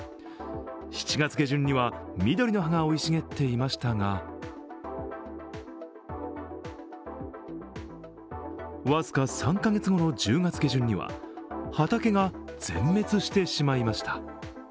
７月下旬には、緑の葉が生い茂っていましたが、僅か３カ月後の１０月下旬には畑が全滅してしまいました。